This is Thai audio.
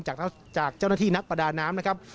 จากเจ้าหน้าที่นักประดาน้ำนะครับ